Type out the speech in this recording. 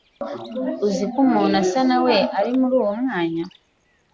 uzi ko umuntu usa nawe ari muri uwo mwanya